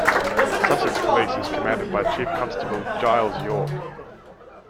Sussex Police is commanded by Chief Constable Giles York.